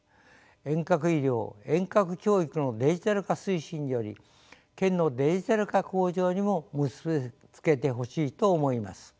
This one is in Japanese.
遠隔医療遠隔教育のデジタル化推進により県のデジタル化向上にも結び付けてほしいと思います。